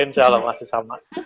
insya allah masih sama